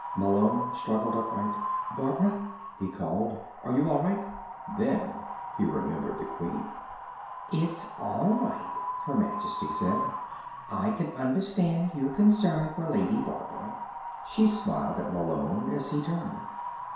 Malone struggled upright. "Barbara?" he called. "Are you all right " Then he remembered the Queen. "It's all right," Her Majesty said. "I can understand your concern for Lady Barbara." She smiled at Malone as he turned.